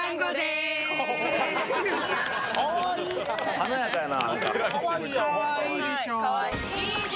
華やかやな。